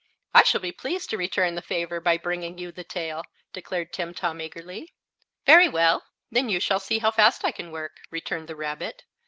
"I shall be pleased to return the favor by bringing you the tail," declared Timtom, eagerly. "Very well; then you shall see how fast I can work," returned the rabbit.